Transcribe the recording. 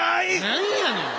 何やねん。